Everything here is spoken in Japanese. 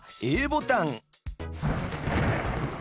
ｇボタン。